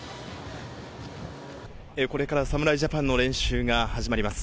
これから侍ジャパンの練習が始まります。